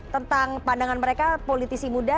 tentang pandangan mereka politisi muda